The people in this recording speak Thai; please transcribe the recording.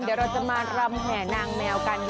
เดี๋ยวเราจะมารำแห่นางแมวกัน